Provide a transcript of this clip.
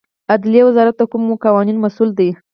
عدلیې وزارت د کومو قوانینو مسوول دی؟